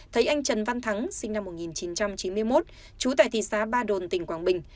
thấy anh trần văn thắng sinh năm một nghìn chín trăm chín mươi một chú tải thị xá ba đồn tỉnh quảng bình